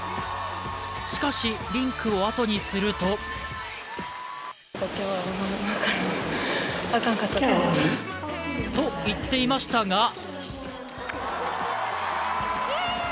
しかし、リンクをあとにするとと言っていましたが。